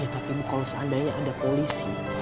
tapi bu kalau seandainya ada polisi